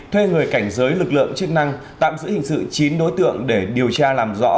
thuê người cảnh giới lực lượng chức năng tạm giữ hình sự chín đối tượng để điều tra làm rõ